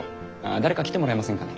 誰か来てもらえませんかね？